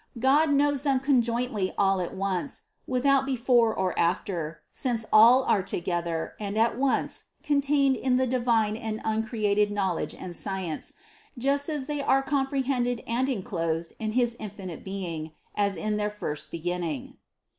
God knows them conjointly all at once, without before or after, since all are together and at once contained in the divine and un created knowledge and science, just as they are compre hended and enclosed in his infinite Being, as in their first beginning.